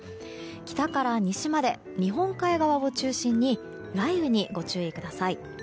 北から西まで日本海側を中心に雷雨にご注意ください。